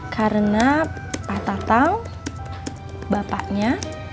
karena pak tatang bapaknya